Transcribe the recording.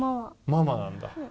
ママなんだ？